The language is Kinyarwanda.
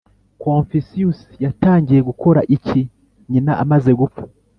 confucius yatangiye gukora iki nyina amaze gupfa?